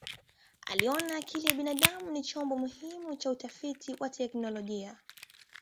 Aliona akili ya binadamu ni chombo muhimu cha utafiti wa teolojia.